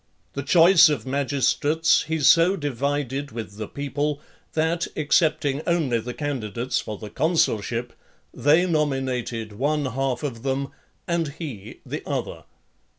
The choice of magistrates he so divided with the people, that, excepting only the candidates for the consulship, they nominated one half of them, and he the other.